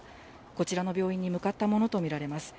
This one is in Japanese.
こちらの病院に向かったものと見られます。